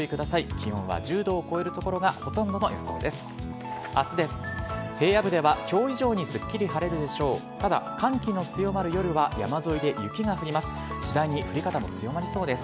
気温は１０度を超える所がほとんどの予想です。